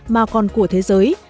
mà còn của thế giới